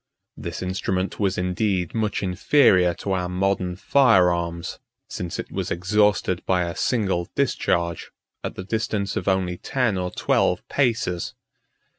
44 This instrument was indeed much inferior to our modern fire arms; since it was exhausted by a single discharge, at the distance of only ten or twelve paces.